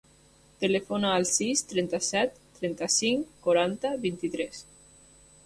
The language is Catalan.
Telefona al sis, trenta-set, trenta-cinc, quaranta, vint-i-tres.